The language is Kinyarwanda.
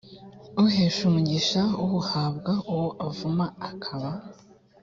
uhesha umugisha awuhabwa uwo uvuma akaba